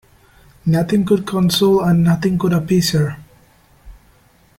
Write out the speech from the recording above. Nothing could console and nothing could appease her.